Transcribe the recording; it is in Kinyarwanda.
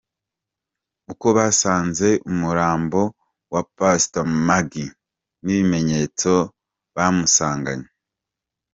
Uko basanze umurambo wa Pastor Maggie n’ibimenyetso bamusanganye.